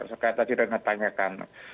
sekarang tadi renhardt tanyakan